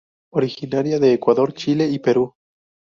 Originaria de Ecuador, Chile y Perú.